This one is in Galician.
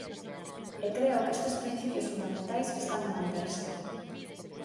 E creo que estes principios fundamentais están a manterse.